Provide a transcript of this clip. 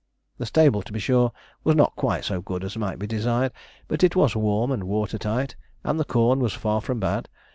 The stable, to be sure, was not quite so good as might be desired, but it was warm and water tight, and the corn was far from bad.